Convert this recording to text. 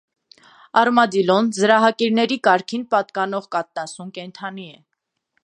Արմադիլոն զրահակիրների կարգին պատկանող կաթնասուն կենդանի է։